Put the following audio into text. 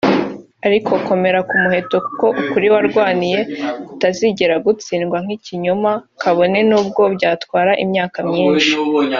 ariko komera ku muheto kuko ukuri warwaniye kutazigera gutsindwa n’ikinyoma kabone n’ubwo byatwara imyaka myinshi